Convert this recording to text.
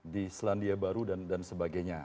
di selandia baru dan sebagainya